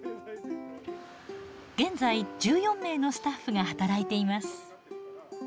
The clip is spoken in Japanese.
現在１４名のスタッフが働いています。